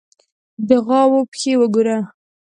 _د غواوو پښې وګوره!